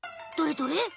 どれどれ？